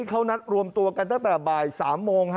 เขานัดรวมตัวกันตั้งแต่บ่าย๓โมง